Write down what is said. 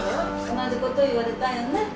同じ事言われたよね。